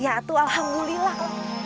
ya atuh alhamdulillah